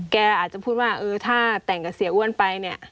อาจจะพูดว่าเออถ้าแต่งกับเสียอ้วนไปเนี่ย